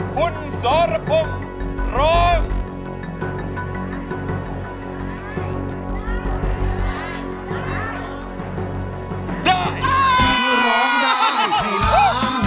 ร้องได้ให้ร้าง